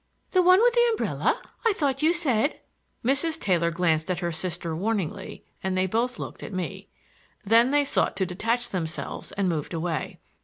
"The one with the umbrella? I thought you said—" Mrs. Taylor glanced at her sister warningly, and they both looked at me. Then they sought to detach themselves and moved away.